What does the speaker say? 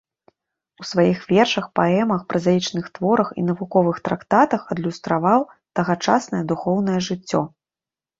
У сваіх вершах, паэмах, празаічных творах і навуковых трактатах адлюстраваў тагачаснае духоўнае жыццё.